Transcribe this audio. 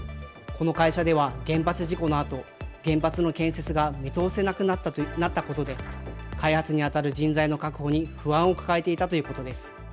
この会社では、原発事故のあと、原発の建設が見通せなくなったことで、開発に当たる人材の確保に不安を抱えていたということです。